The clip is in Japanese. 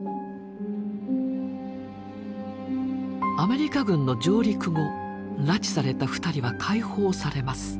アメリカ軍の上陸後拉致された２人は解放されます。